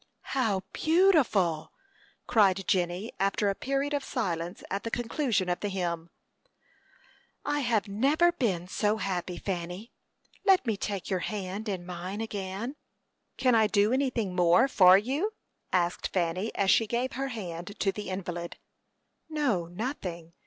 "How beautiful!" cried Jenny, after a period of silence at the conclusion of the hymn. "I have never been so happy, Fanny. Let me take your hand in mine again." "Can I do anything more for you?" asked Fanny, as she gave her hand to the invalid. "No, nothing.